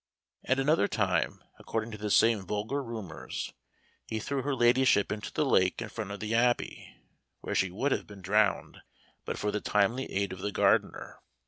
At another time, according to the same vulgar rumors, he threw her ladyship into the lake in front of the Abbey, where she would have been drowned, but for the timely aid of the gardener.